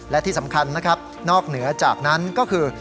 และที่สำคัญนะครับนอกเหนือจากนั้นก็คือ